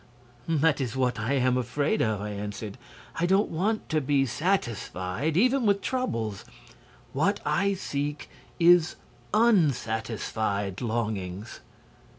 "'That is what I am afraid of!' I answered. 'I don't want to be satisfied, even with troubles. What I seek is unsatisfied longings.'